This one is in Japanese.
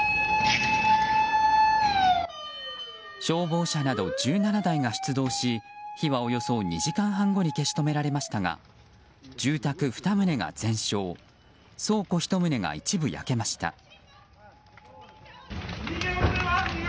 消防車など１７台が出動し火はおよそ２時間半後に消し止められましたが住宅２棟が全焼倉庫１棟が一部焼けました。